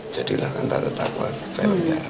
jadilah kan tata takwa filmnya